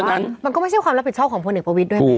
มันก็ไม่ใช่ความรับผิดชอบของพลเอกประวิทย์ด้วยไง